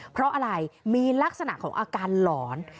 เพราะอะไรมีลักษณะของอาการหลอน